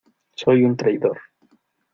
soy un traidor.